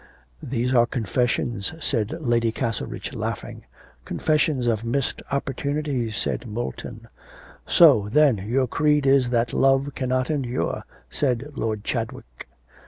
'These are confessions,' said Lady Castlerich, laughing. 'Confessions of missed opportunities,' said Moulton. 'So, then, your creed is that love cannot endure,' said Lord Chadwick.